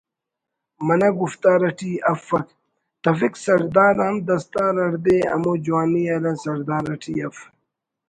منہ گفتار اٹی اف تفک سردار ہم دستار ہڑدے ہمو جوانی ہلہ سردار اٹی اف